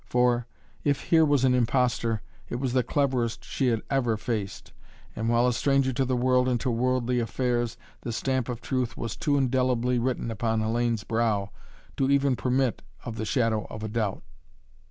For, if here was an impostor, it was the cleverest she had ever faced and, while a stranger to the world and to worldly affairs, the stamp of truth was too indelibly written upon Hellayne's brow to even permit of the shadow of a doubt.